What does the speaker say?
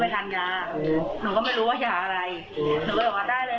เพราะว่าหนูประจำบ้างก็ได้แล้ว